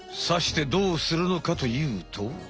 さしてどうするのかというと。